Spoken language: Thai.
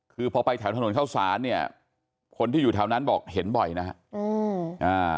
คือพอไปแถวถนนเข้าสารเนี่ยคนที่อยู่แถวนั้นบอกเห็นบ่อยนะฮะอืมอ่า